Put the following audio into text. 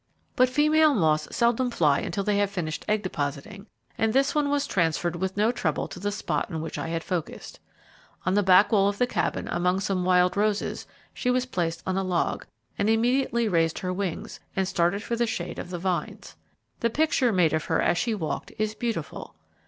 But female moths seldom fly until they have finished egg depositing, and this one was transferred with no trouble to the spot on which I had focused. On the back wall of the Cabin, among some wild roses, she was placed on a log, and immediately raised her wings, and started for the shade of the vines. The picture made of her as she walked is beautiful.